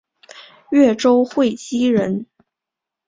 越州会稽人。